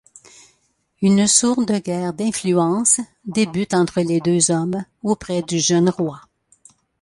Une sourde guerre d'influence débute entre les deux hommes auprès du jeune roi.